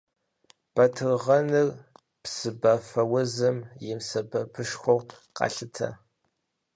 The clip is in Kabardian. Батыргъэныр псыбафэузым и сэбэпышхуэу къалъытэ.